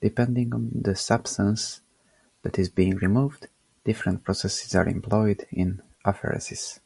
Depending on the substance that is being removed, different processes are employed in apheresis.